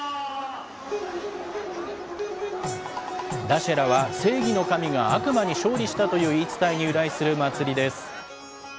ダシェラは正義の神が悪魔に勝利したという言い伝えに由来する祭りです。